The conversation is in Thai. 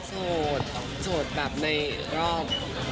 โสดโสดแบบในรอบ